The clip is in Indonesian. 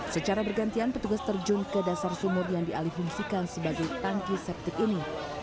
secara bergantian petugas terjun ke dasar sumur yang dialihungsikan sebagai tanki septic ini